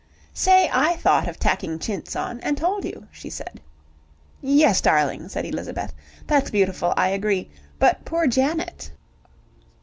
"Say I thought of tacking chintz on and told you," she said. "Yes, darling," said Elizabeth. "That's beautiful, I agree. But poor Janet!"